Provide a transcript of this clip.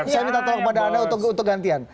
saya minta tolong kepada anda untuk gantian